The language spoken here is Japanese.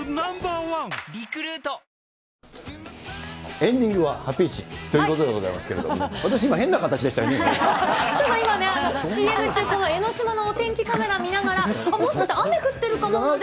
エンディングはハピイチということでございますけれども、私今、ちょっと今ね、ＣＭ中、この江の島のお天気カメラ見ながら、もしかしたら雨降ってるかななんて